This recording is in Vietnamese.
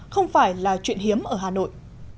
không phải là chuyện hiếm ở hà nội